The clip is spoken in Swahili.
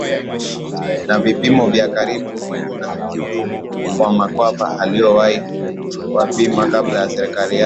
na vipimo vya karibu na ndugu wa Mkwawa aliowahi kuwapima kabla ya safari yake